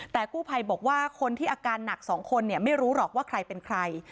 แต่กู้ภัยบอกว่าคนที่อาการหนัก๒คนไม่รู้หรอกว่าใครเป็นใคร